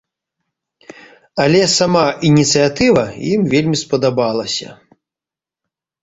Але сама ініцыятыва ім вельмі спадабалася.